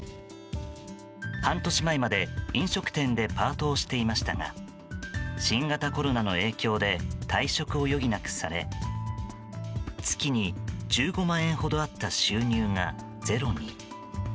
半年前まで飲食店でパートをしていましたが新型コロナの影響で退職を余儀なくされ月に１５万円ほどあった収入がゼロに。